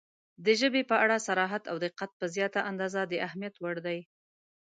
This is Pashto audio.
• د ژبې په اړه صراحت او دقت په زیاته اندازه د اهمیت وړ دی.